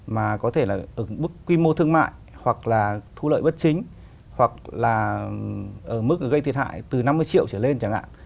mà có thể là ở mức quy mô thương mại hoặc là thu lợi bất chính hoặc là ở mức gây thiệt hại từ năm mươi triệu trở lên chẳng hạn